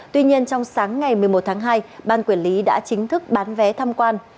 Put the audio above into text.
tuy nhiên trong sáng ngày một mươi một tháng hai ban quản lý đã chính thức bán vé tham quan